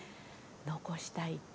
残したいって。